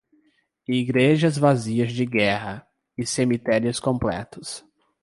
Igrejas vazias de guerra e cemitérios completos.